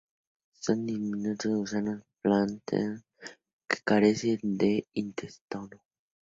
Son diminutos gusanos planos que carecen de intestino.